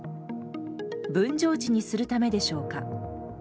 分譲地にするためでしょうか。